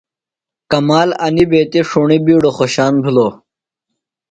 کمال انیۡ بیتیۡ ݜُݨیۡ بِیڈوۡ خوۡشان بِھلوۡ۔